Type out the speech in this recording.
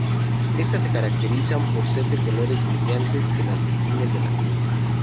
Estas se caracterizan por ser de colores brillantes que las distinguen del ambiente.